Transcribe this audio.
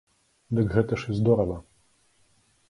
Дык гэта ж і здорава!